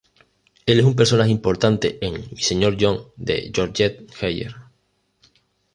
Él es un personaje importante en "Mi Señor John" de Georgette Heyer.